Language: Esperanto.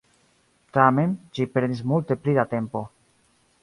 Tamen, ĝi prenis multe pli da tempo.